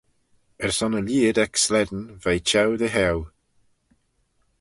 Er son y lheead eck slane, veih çheu dy heu.